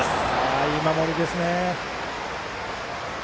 いい守りですね。